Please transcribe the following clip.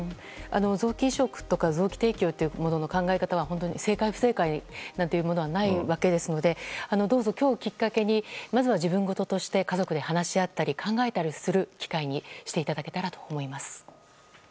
臓器移植とか臓器提供というものの考え方は本当に正解、不正解なんてものはないわけですのでどうぞ今日をきっかけにまずは自分事として家族で話し合ったり考えたりする機会にしていただけたらと思います。